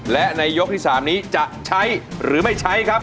และในยกที่๓นี้จะใช้หรือไม่ใช้ครับ